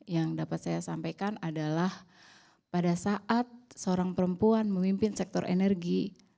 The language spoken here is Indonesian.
yang dapat saya sampaikan adalah pada saat seorang perempuan memimpin sektor energi